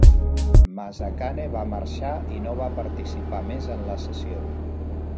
Mazzacane va marxar i no va participar més en la sessió.